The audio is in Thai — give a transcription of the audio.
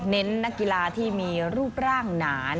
นักกีฬาที่มีรูปร่างหนาน